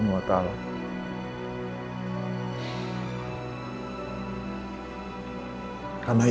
ibu mengurus kamu